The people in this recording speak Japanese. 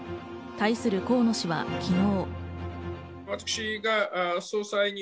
対する河野氏は昨日。